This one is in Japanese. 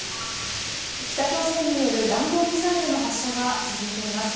北朝鮮による弾道ミサイルの発射が続いています。